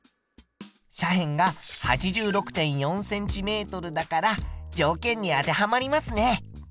斜辺が８６．４ｃｍだから条件に当てはまりますね。